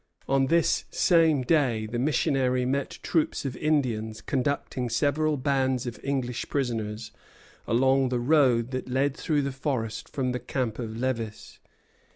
On this same day the missionary met troops of Indians conducting several bands of English prisoners along the road that led through the forest from the camp of Lévis.